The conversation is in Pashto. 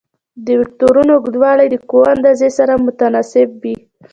د وکتورونو اوږدوالی د قوو اندازې سره متناسب وي.